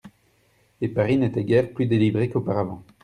Et Paris n'était guère plus délivré qu'auparavant.